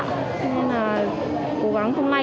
nên là cố gắng hôm nay